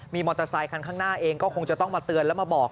มีมอเตอร์ไซคันข้างหน้าเองก็คงจะต้องมาเตือนแล้วมาบอก